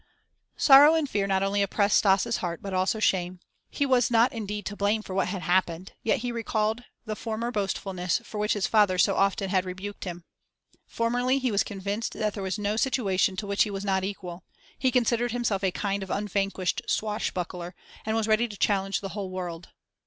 Sorrow and fear not only oppressed Stas' heart, but also shame. He was not indeed to blame for what had happened, yet he recalled the former boastfulness for which his father so often had rebuked him. Formerly he was convinced that there was no situation to which he was not equal; he considered himself a kind of unvanquished swashbuckler, and was ready to challenge the whole world.